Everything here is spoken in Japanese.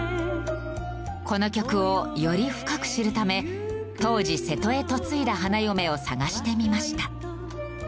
この曲をより深く知るため当時瀬戸へ嫁いだ花嫁を探してみました。